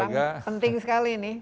karena sekarang penting sekali nih